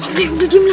abdi udah diem lho